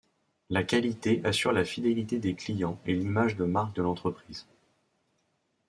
La qualité assure la fidélité des clients et l'image de marque de l'entreprise.